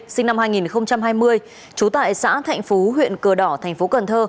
sinh năm hai nghìn hai mươi trú tại xã thạnh phú huyện cờ đỏ tp cn